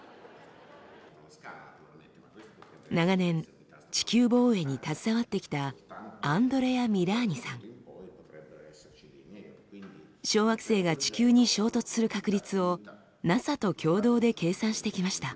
長年地球防衛に携わってきた小惑星が地球に衝突する確率をＮＡＳＡと共同で計算してきました。